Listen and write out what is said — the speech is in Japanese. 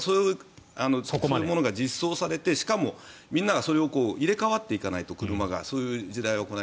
でもそれが実装されてしかも、みんながそれに入れ替わっていかないとそういう時代が来ない。